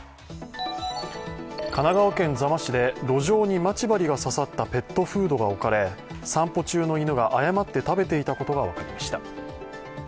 神奈川県座間市で、路上に待ち針が刺さったペットフードが置かれ散歩中の犬が誤って食べていたことが分かりました。